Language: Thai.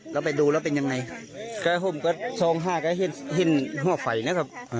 เราไปดูแล้วเป็นยังไงก็ห้มก็ทรงห้าก็เฮ่นเฮ่นห้อไฟนะครับ